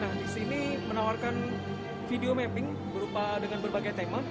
nah di sini menawarkan video mapping berupa dengan berbagai tema